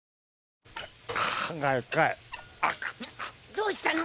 どうしたの？